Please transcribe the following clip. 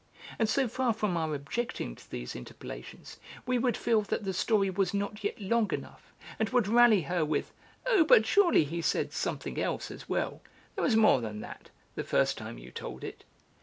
And so far from our objecting to these interpolations, we would feel that the story was not yet long enough, and would rally her with: "Oh, but surely he said something else as well. There was more than that, the first time you told it."